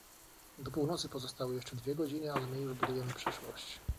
Do północy pozostały jeszcze dwie godziny, ale my już budujemy przyszłość